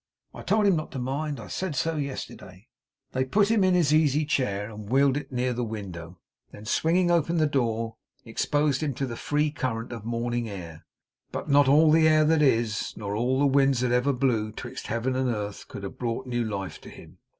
I told him not to mind. I said so, yesterday.' They put him in his easy chair, and wheeled it near the window; then, swinging open the door, exposed him to the free current of morning air. But not all the air that is, nor all the winds that ever blew 'twixt Heaven and Earth, could have brought new life to him.